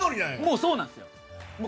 そうなんですよ。